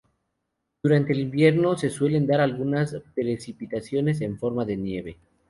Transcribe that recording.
Durante el invierno se suelen dar algunas precipitaciones en forma de nieve.